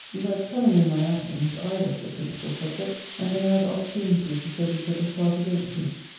But coming in my absence, I was their principal subject; and they had opportunity to set each other's heart against me.